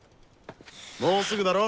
もうすぐだろ？